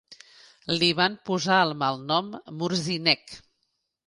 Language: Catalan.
Li van posar el malnom "Murzynek".